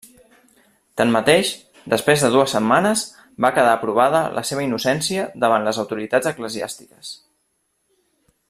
Tanmateix, després de dues setmanes, va quedar provada la seva innocència davant les autoritats eclesiàstiques.